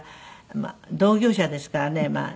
同業者ですからねまあ。